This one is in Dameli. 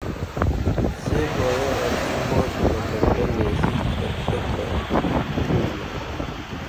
سے کایہ آڅی ماں شلکنٹہ نیسی شک شک بہ کو بُمنا